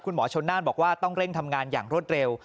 หมอชนน่านบอกว่าต้องเร่งทำงานอย่างรวดเร็ว